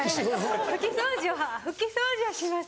拭き掃除は拭き掃除はします。